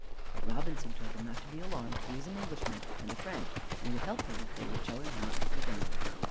But Robinson told them not to be alarmed; he was an Englishman, and a friend, and would help them if they would show him how it could be done.